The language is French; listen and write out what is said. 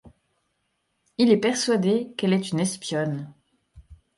Il est persuadé qu'elle est une espionne.